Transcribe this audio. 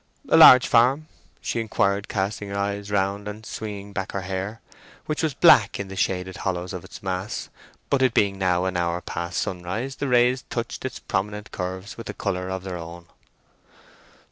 "A large farm?" she inquired, casting her eyes round, and swinging back her hair, which was black in the shaded hollows of its mass; but it being now an hour past sunrise the rays touched its prominent curves with a colour of their own.